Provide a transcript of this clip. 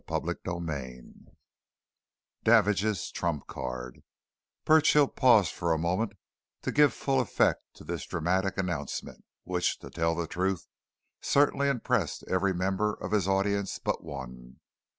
CHAPTER XXXIV DAVIDGE'S TRUMP CARD Burchill paused for a moment, to give full effect to this dramatic announcement, which, to tell truth, certainly impressed every member of his audience but one.